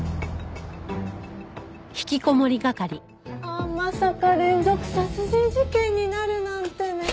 ああまさか連続殺人事件になるなんてね。